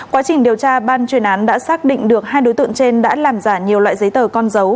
quá trình điều tra ban chuyên án đã xác định được hai đối tượng trên đã làm giả nhiều loại giấy tờ con dấu